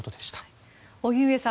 荻上さん